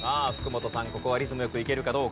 ここはリズムよくいけるかどうか。